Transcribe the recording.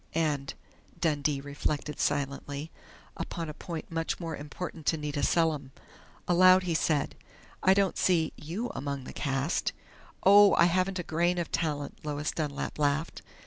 "And," Dundee reflected silently, "upon a point much more important to Nita Selim." Aloud he said: "I don't see you among the cast." "Oh, I haven't a grain of talent," Lois Dunlap laughed.